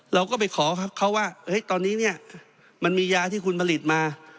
เราก็ไปขอเขาว่าตอนนี้เนี่ยมันมียาที่คุณผลิตมา